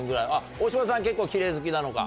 大島さん結構キレイ好きなのか。